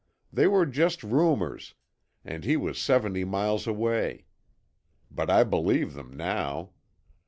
They were just rumours, and he was seventy miles away. But I believe them now.